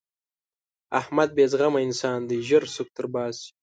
احمد بې زغمه انسان دی؛ ژر سوک تر باسي.